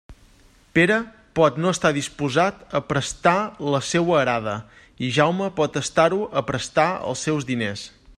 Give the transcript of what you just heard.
Pere pot no estar disposat a prestar la seua arada, i Jaume pot estar-ho a prestar els seus diners.